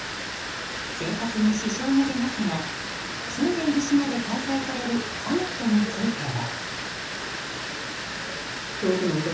生活に支障が出ますが住んでいる島で開催されるサミットについては。